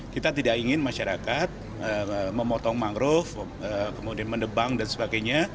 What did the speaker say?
kita tidak ingin masyarakat memotong mangrove kemudian mendebang dan sebagainya